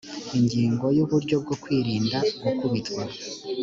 ingingo ya uburyo bwo kwirinda gukubitwa